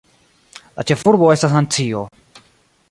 La ĉefurbo estas Nancio.